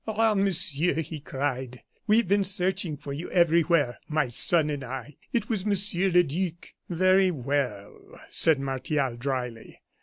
"Ah, Monsieur," he cried, "we have been searching for you everywhere, my son and I. It was Monsieur le Duc " "Very well," said Martial, dryly.